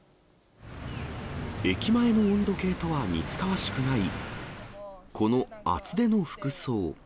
駅前の温度計とは似つかわしくない、この厚手の服装。